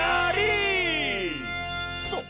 そう。